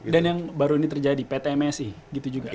dan yang baru ini terjadi ptmsi